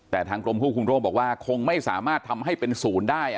แต่ทางกรมควบคุมโรคบอกว่าคงไม่สามารถทำให้เป็นศูนย์ได้